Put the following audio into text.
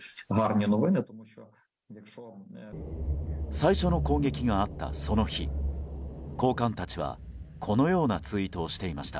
最初の攻撃があったその日高官たちはこのようなツイートをしていました。